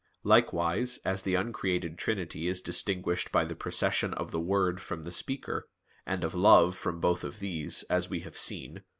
Likewise as the uncreated Trinity is distinguished by the procession of the Word from the Speaker, and of Love from both of these, as we have seen (Q.